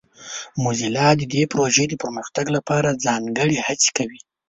موزیلا د دې پروژې د پرمختګ لپاره ځانګړې هڅې کوي.